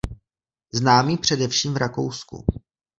Známý především v Rakousku.